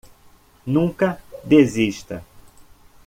Nunca desista.